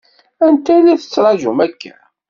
Anta i la tettṛaǧum akka?